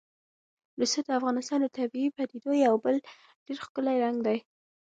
رسوب د افغانستان د طبیعي پدیدو یو بل ډېر ښکلی رنګ دی.